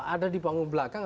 ada di bangun belakang